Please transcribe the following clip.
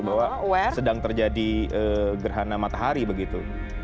bahwa sedang terjadi gerhana matahari begitu